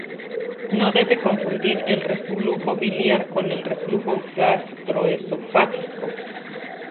No debe confundir el reflujo biliar con el reflujo gastroesofágico.